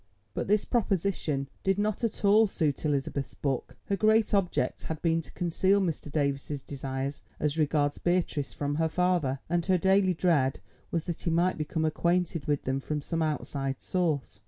But this proposition did not at all suit Elizabeth's book. Her great object had been to conceal Mr. Davies's desires as regards Beatrice from her father, and her daily dread was that he might become acquainted with them from some outside source.